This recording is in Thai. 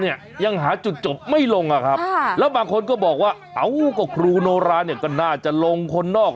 เนี่ยยังหาจุดจบไม่ลงอ่ะครับแล้วบางคนก็บอกว่าเอาก็ครูโนราเนี่ยก็น่าจะลงคนนอก